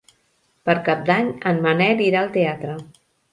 Per Cap d'Any en Manel irà al teatre.